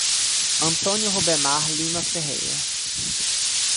Antônio Rubemar Lima Ferreira